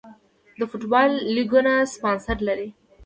د فوټبال لیګونه سپانسر لري